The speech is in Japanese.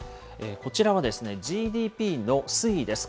こちらはＧＤＰの推移です。